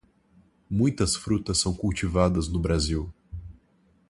Muitas frutas são cultivadas no Brasil.